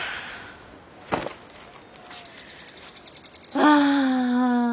ああ。